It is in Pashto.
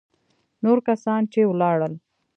نور کسان چې ولاړل.